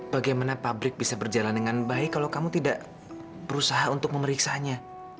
bagaimana pabrik bisa berjalan dengan baik kalau kamu tidak berusaha untuk memeriksanya